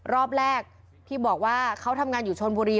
รอบแรกที่บอกว่าเขาทำงานอยู่ชนบุรี